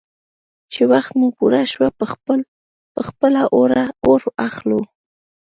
_چې وخت مو پوره شو، په خپله اور اخلو.